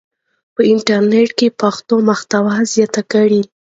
په انټرنیټ کې پښتو محتوا زیاته کړئ.